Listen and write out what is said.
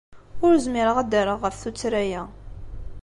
Ur zmireɣ ad d-rreɣ ɣef tuttra-a.